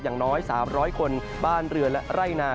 อย่างน้อย๓๐๐คนบ้านเรือและไร่นา